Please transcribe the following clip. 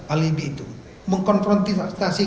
alibi itu mengkonfrontasi